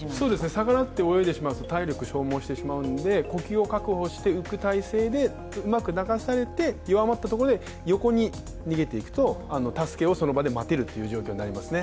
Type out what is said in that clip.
逆らって泳いでしまうと体力を消耗してしまうので、呼吸を確保して浮く体勢でうまく流されて弱まったところで横に投げて、助けをその場で待てるという状況になりますね。